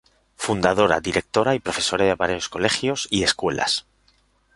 Fundadora, directora y profesora de varios colegios y escuelas.